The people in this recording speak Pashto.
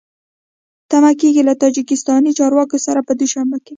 تمه کېږي له تاجکستاني چارواکو سره په دوشنبه کې